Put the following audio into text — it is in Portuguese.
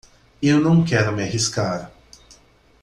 Eu não quero me arriscar.